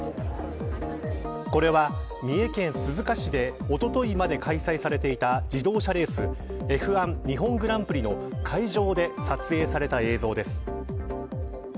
これは三重県鈴鹿市でおとといまで開催されていた自動車レースＦ１日本グランプリの会場で撮影された映像です。